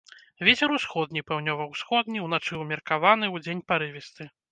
Вецер усходні, паўднёва-ўсходні, уначы ўмеркаваны, удзень парывісты.